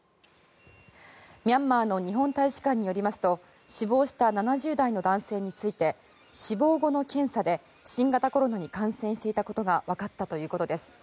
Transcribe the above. ミャンマーの日本大使館によりますと死亡した７０代の男性について死亡後の検査で新型コロナに感染していたことがわかったということです。